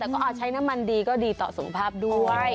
แต่ก็อาจใช้หน้ามันดีก็ดีต่อส่วนภาพด้วย